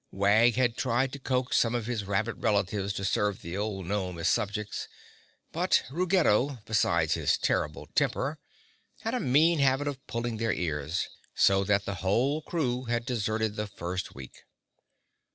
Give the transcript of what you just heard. Wag had tried to coax some of his rabbit relations to serve the old gnome as subjects, but Ruggedo, besides his terrible temper, had a mean habit of pulling their ears, so that the whole crew had deserted the first week.